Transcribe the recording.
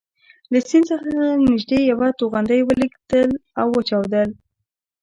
له سیند سره نژدې یوه توغندۍ ولګېدل او وچاودل.